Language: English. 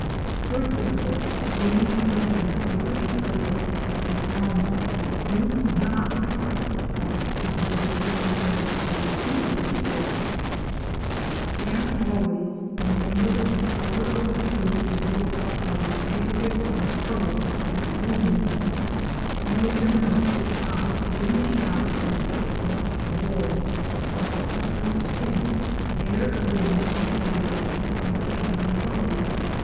For example, leaves with an absorbent surface, as the elm, do not reflect the sky as brightly as those with a smoother surface. And always M 82 LANDSCAPE PAINTING IN OIL COLOUR. remember that the colour of a tree is built up by the aggregate of the colours of its leaves. You will have noticed how within the shadow of a white washed wall across a sun lit street, there gleams the reflection of the shining road.